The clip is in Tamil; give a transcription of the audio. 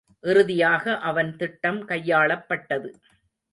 இறுதியாக அவன் திட்டம் கையாளப்பட்டது.